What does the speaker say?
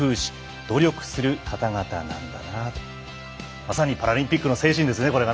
まさにパラリンピックの精神ですね、これが。